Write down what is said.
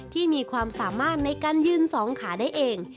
ที่มีความสามารถในการยืนสองขาได้เอง